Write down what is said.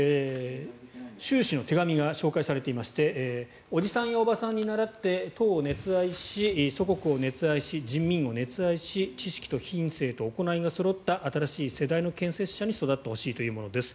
習氏の手紙が紹介されていましておじさんやおばさんに倣って党を熱愛し、祖国を熱愛し人民を熱愛し知識と品性と行いがそろった新しい世代の建設者へと育ってほしいというものです。